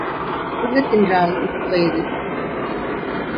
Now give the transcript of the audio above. நொறுங்கத் தின்றால் நூறு வயது.